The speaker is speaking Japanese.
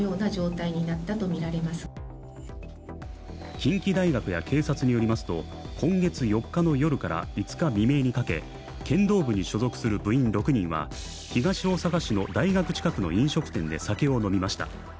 近畿大学や警察によりますと、今月４日の夜から５日未明にかけ剣道部に所属する部員６人は、東大阪市の大学近くの飲食店で酒を飲みました。